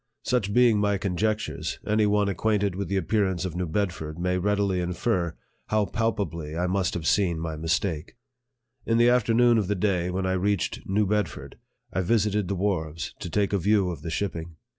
Such being my conjectures, any one ac quainted with the appearance of New Bedford may very readily infer kow palpably I must have seen my mistake. In the afternoon of the day when I reached New Bedford, I visited the wharves, to take a view of the shipping.